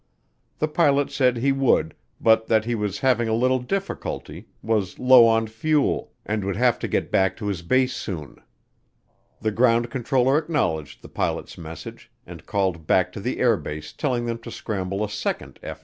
The pilot said he would but that he was having a little difficulty, was low on fuel, and would have to get back to his base soon. The ground controller acknowledged the pilot's message, and called back to the air base telling them to scramble a second F 94.